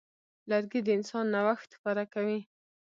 لرګی د انسان نوښت ښکاره کوي.